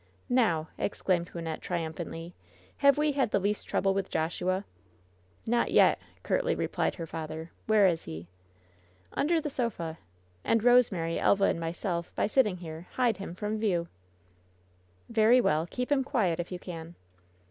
"Now!" exclaimed Wynnette, triumphantly. "Have we had the least trouble with Joshua ?" "Not yet," curtly replied her father. "Where is he «" LOVE'S BITTEREST CUP 178 "Under the sofa — and Rosemary, Elva and myself, by sitting here, hide him from view." "Very well. Keep him quiet, if you can."